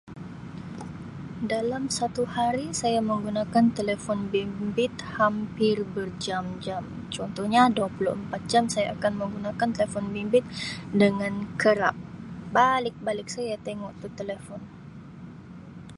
Dalam satu hari saya menggunakan telefon bimbit hampir berjam-jam contohnya, dua puluh empat jam saya akan menggunakan telefon bimbit dengan kerap balik-balik saya tengok tu telefon.